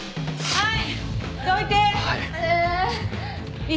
はい。